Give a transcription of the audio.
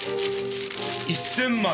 １０００万